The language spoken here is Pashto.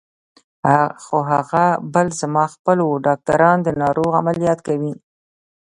خو هغه بل زما خپل و، ډاکټران د ناروغ عملیات کوي.